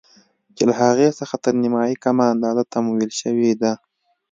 چې له هغې څخه تر نيمايي کمه اندازه تمويل شوې ده.